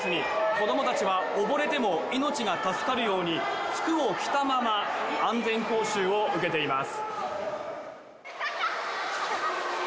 子どもたちは、溺れても命が助かるように、服を着たまま安全講習を受けています。